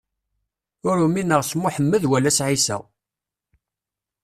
Ur umineɣ s Muḥemmed wala s Ɛisa.